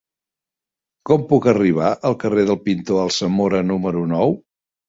Com puc arribar al carrer del Pintor Alsamora número nou?